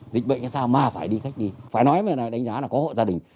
dịch bệnh hay sao mà phải đi khách nghi phải nói mà đánh giá là có hội gia đình